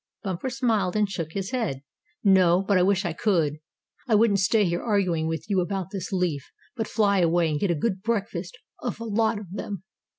Bumper smiled, and shook his head. "No, but I wish I could. I wouldn't stay here arguing with you about this leaf but fly away and get a good breakfast of a lot of them."